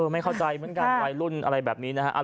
ไม่เข้าใจเหมือนกันวัยรุ่นอะไรแบบนี้นะฮะ